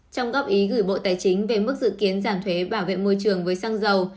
trong góp ý gửi bộ tài chính về mức dự kiến giảm thuế bảo vệ môi trường với xăng dầu